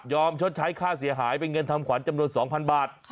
ชดใช้ค่าเสียหายเป็นเงินทำขวัญจำนวน๒๐๐บาท